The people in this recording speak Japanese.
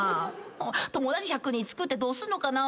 友達１００人つくってどうすんのかな？